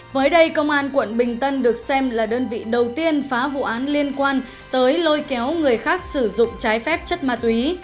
mới đây công an quận bình tân được xem là đơn vị đầu tiên phá vụ án liên quan tới lôi kéo người khác sử dụng trái phép chất ma túy